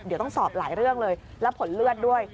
เดี๋ยวต้องสอบหลายเรื่องเลยและผลเลือดด้วย